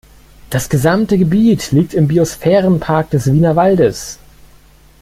Das gesamte Gebiet liegt im Biosphärenpark des Wienerwaldes.